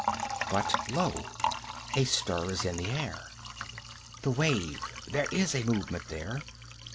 But lo, a stir is in the air! The wave there is a movement there!